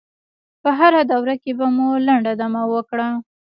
په هره دوره کې به مو لنډه دمه وکړه.